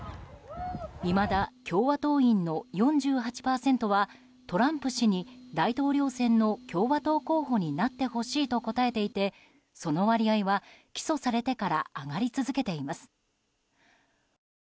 いまだ共和党員の４８％はトランプ氏に大統領選の共和党候補になってほしいと答えていてその割合は起訴されてから上がり続けています。